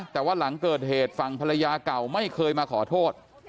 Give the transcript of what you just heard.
แต่ว่าหลังเกิดเหตุฝั่งภรรยาเก่าไม่เคยมาขอโทษ